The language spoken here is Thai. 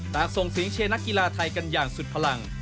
ส่งเสียงเชียร์นักกีฬาไทยกันอย่างสุดพลัง